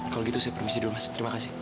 kalau gitu saya permisi dulu mas terima kasih